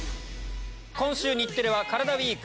今週日テレはカラダＷＥＥＫ